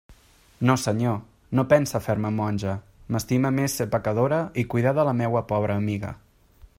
No senyor; no pense fer-me monja; m'estime més ser pecadora i cuidar de la meua pobra amiga.